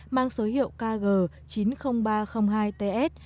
mang số hiệu kg chín mươi nghìn ba trăm linh hai ts